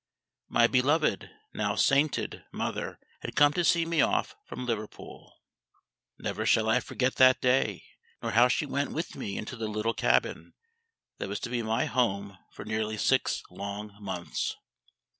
My beloved, now sainted, mother had come to see me off from Liverpool. Never shall I forget that day, nor how she went with me into the little cabin that was to be my home for nearly six long months.